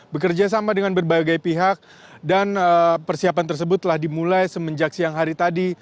bekerja sama dengan berbagai pihak dan persiapan tersebut telah dimulai semenjak siang hari tadi